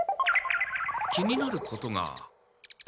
気になることが。